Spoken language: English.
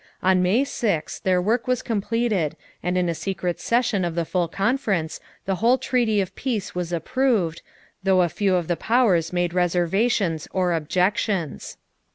On May 6, their work was completed and in a secret session of the full conference the whole treaty of peace was approved, though a few of the powers made reservations or objections.